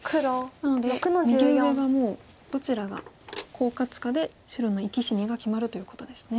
なので右上がもうどちらがコウ勝つかで白の生き死にが決まるということですね。